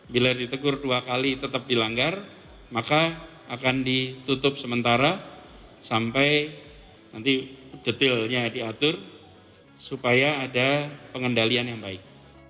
bila ditegur dua kali tetap dilanggar maka akan ditutup sementara sampai nanti detailnya diatur supaya ada pengendalian yang baik